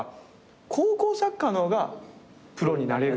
高校サッカーの方がプロになれる。